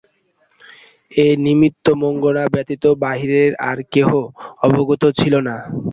এই নিমিত্ত মঙ্গলা ব্যতীত বাহিরের আর কেহ অবগত ছিল না।